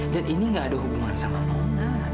dan ini nggak ada hubungan sama nona